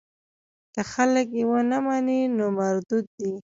که خلک یې ونه مني نو مردود دی.